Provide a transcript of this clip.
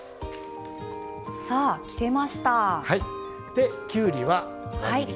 できゅうりは輪切り。